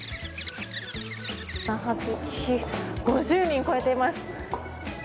５０人超えています。